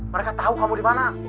mereka tahu kamu di mana